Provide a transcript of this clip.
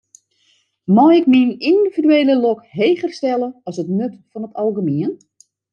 Mei ik myn yndividuele lok heger stelle as it nut fan it algemien?